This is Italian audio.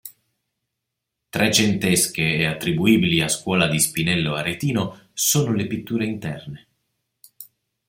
Trecentesche e attribuibili a scuola di Spinello Aretino sono le pitture interne.